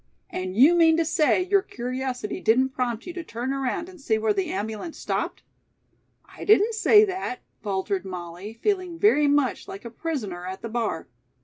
"And you mean to say your curiosity didn't prompt you to turn around and see where the ambulance stopped?" "I didn't say that," faltered Molly, feeling very much like a prisoner at the bar.